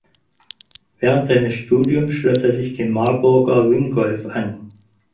Während seines Studiums schloss er sich dem Marburger Wingolf an.